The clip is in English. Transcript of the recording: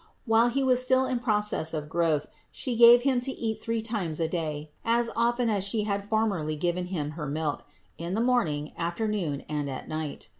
While He was still in process of growth She gave Him to eat three times a day, as often as She had formerly given Him her milk; in the morning, afternoon and at night.